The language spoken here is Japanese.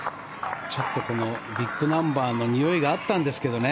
ちょっとビッグナンバーのにおいがあったんですけどね。